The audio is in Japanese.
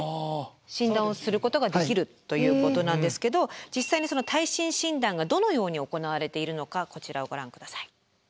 診断をすることができるということなんですけど実際にその耐震診断がどのように行われているのかこちらをご覧下さい。